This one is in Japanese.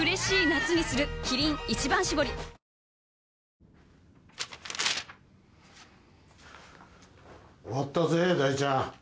あ終わったぜ大ちゃん。